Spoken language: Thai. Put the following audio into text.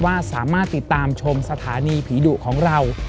ว่าสามารถติดตามชมสถานีผีดุของเรา